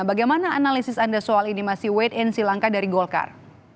bagaimana analisis anda soal ini masih wait and si langkah dari golkar